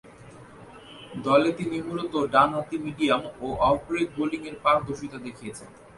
দলে তিনি মূলতঃ ডানহাতি মিডিয়াম ও অফ ব্রেক বোলিংয়ে পারদর্শিতা দেখিয়েছেন।